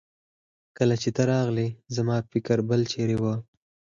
کله چې ته راغلې زما فکر بل چيرې وه.